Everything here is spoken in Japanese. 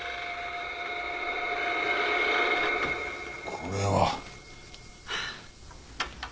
これは。